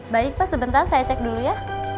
baik pak sebentar saya cek dulu ya